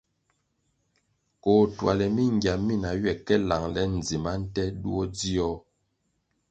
Koh tuale mingia mina ywe ka langle ndzima nte duo dzio.